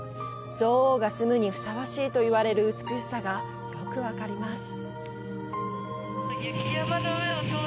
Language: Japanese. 女王が住むにふさわしいと言われる美しさがよく分かります。